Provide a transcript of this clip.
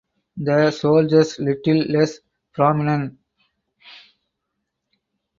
The shoulders little less prominent.